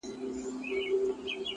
هره ورځ د ښه اغېز فرصت لري!.